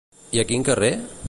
I a quin carrer?